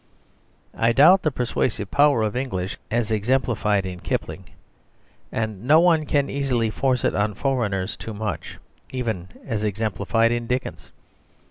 I doubt the persuasive power of English as exemplified in Kipling, and one can easily force it on foreigners too much, even as exemplified in Dickens.